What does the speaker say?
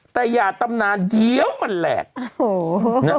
แต่อย่าตำนานเยี้ยวเหมือนแหละ